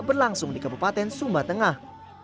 berlangsung di kabupaten sumba tengah